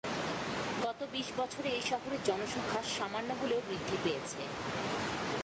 গত বিশ বছরে এই শহরের জনসংখ্যা সামান্য হলেও বৃদ্ধি পেয়েছে।